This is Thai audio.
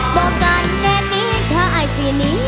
บอกกันแน่นิดถ้าอายสีนี้